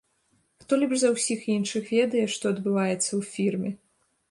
Хто лепш за ўсіх іншых ведае, што адбываецца ў фірме?